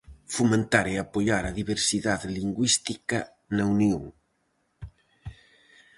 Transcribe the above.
Fomentar e apoiar a diversidade lingüística na Unión.